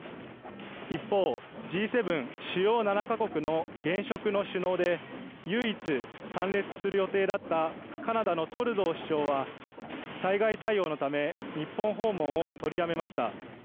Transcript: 一方、Ｇ７・主要７か国の現職の首脳で、唯一、参列する予定だったカナダのトルドー首相は災害対応のため日本訪問を取りやめました。